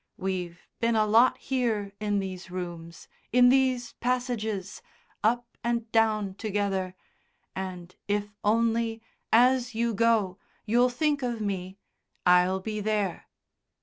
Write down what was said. We've been a lot here in these rooms, in these passages, up and down together, and if only, as you go, you'll think of me, I'll be there....